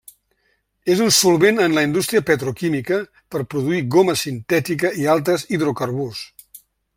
És un solvent en la indústria petroquímica per produir goma sintètica i altres hidrocarburs.